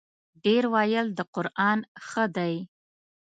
ـ ډېر ویل د قران ښه دی.